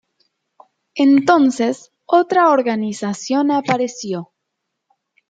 Entonces, otra organización apareció.